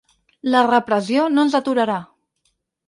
La repressió no ens aturarà!